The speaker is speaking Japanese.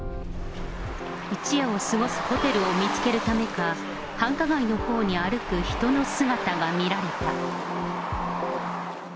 一夜を過ごすホテルを見つけるためか、繁華街のほうに歩く人の姿が見られた。